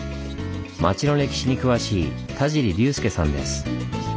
町の歴史に詳しい田尻隆介さんです。